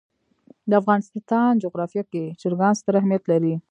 د افغانستان جغرافیه کې چرګان ستر اهمیت لري.